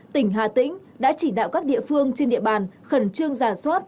tỉnh hà tĩnh đã chỉ đạo các địa phương trên địa bàn khẩn trương giả soát